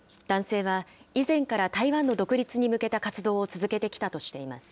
男性は、以前から台湾の独立に向けた活動を続けてきたとしています。